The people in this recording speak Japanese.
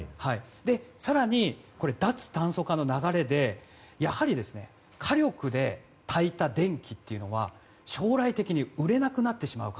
更に、脱炭素化の流れでやはり火力で作った電気というのは将来的に売れなくなってしまう